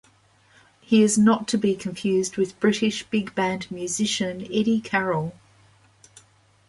He is not to be confused with British big band musician Eddie Carroll.